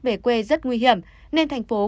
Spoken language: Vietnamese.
về quê rất nguy hiểm nên thành phố